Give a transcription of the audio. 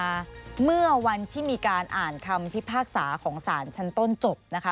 เมื่อวันที่มีการอ่านคำพิพากษาของสารชั้นต้นจบนะคะ